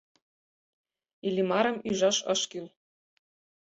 Иллимарым ӱжаш ыш кӱл.